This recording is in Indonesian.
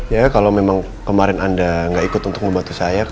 ya kalau memang kemarin anda nggak ikut untuk membantu saya